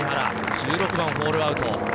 １６番をホールアウト。